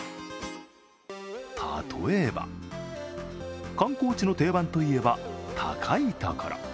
例えば、観光地の定番といえば高い所。